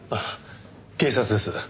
警察です。